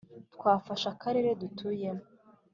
twafasha Akarere dutuyemo.